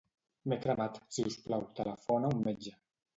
M'he cremat; si us plau, telefona un metge.